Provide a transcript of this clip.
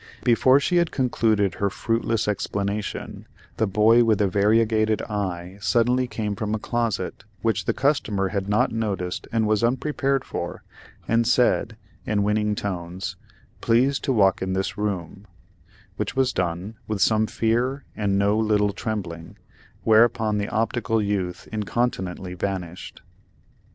Before she had concluded her fruitless explanation, the boy with the variegated eye suddenly came from a closet which the customer had not noticed and was unprepared for, and said, in winning tones, "Please to walk in this room," which was done, with some fear and no little trembling, whereupon the optical youth incontinently vanished.